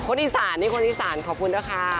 อีสานนี่คนอีสานขอบคุณนะคะ